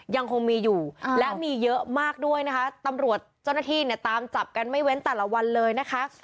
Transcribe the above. ยังคงมีอยู่และมีเยอะมากด้วยนะคะตำรวจเจ้าหน้าที่เนี่ยตามจับกันไม่เว้นแต่ละวันเลยนะคะ